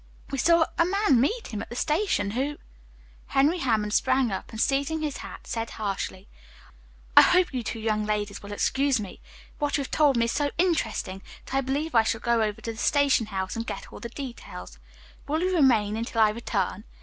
We saw a man meet him at the station, who " Henry Hammond sprang up and seizing his hat, said harshly, "I hope you young ladies will excuse me, what you have told me is so interesting that I believe I shall go over to the station house and get all the details. Will you remain until I return?"